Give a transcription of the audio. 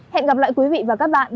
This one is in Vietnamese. hẹn gặp lại quý vị và các bạn